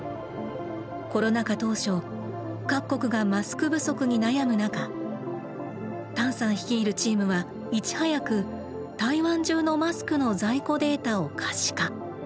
コロナ禍当初各国がマスク不足に悩む中タンさん率いるチームはいち早く台湾中のマスクの在庫データを可視化。